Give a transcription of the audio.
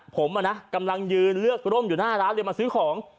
ผมกำลังยืนเลือกร่มอยู่หน้าร้านเลยมาซื้อของ